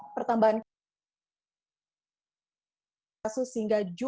pemaham makna ini